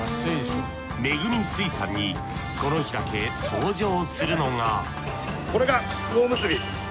恵海水産にこの日だけ登場するのがこれが魚むすび。